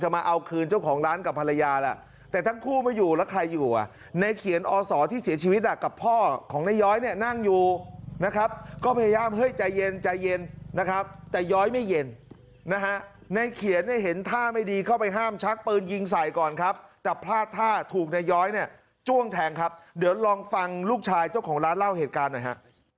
พ่อของในย้อยเนี่ยนั่งอยู่นะครับก็พยายามเฮ้ยใจเย็นใจเย็นนะครับแต่ย้อยไม่เย็นนะฮะในเขียนให้เห็นท่าไม่ดีเข้าไปห้ามชักเปินยิงใส่ก่อนครับจะพลาดท่าถูกในย้อยเนี่ยจ้วงแทงครับเดี๋ยวลองฟังลูกชายเจ้าของร้านเล่าเหตุการณ์นะฮะ